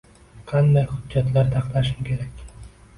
Qanday hujjatlar taxlashim kerak?